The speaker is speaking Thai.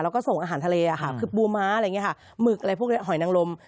แล้วก็ส่งอาหารทะเลคือปูม้ามึกอะไรพวกนี้หอยนังลม